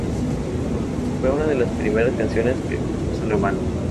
Fue una de las primeras canciones que compuso la banda.